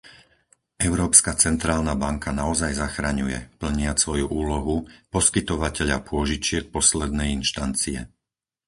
Európska centrálna banka naozaj zachraňuje, plniac svoju úlohu, poskytovateľa pôžičiek poslednej inštancie.